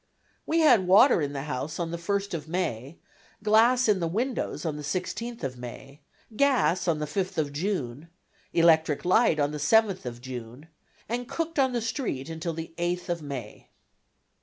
We had water in the house on the 1st of May, glass in the windows on the 16th of May, gas on the 5th of June, electric light on the 7th of June, and cooked on the street until the 8th of May.